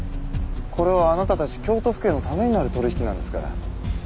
これはあなたたち京都府警のためになる取引なんですから。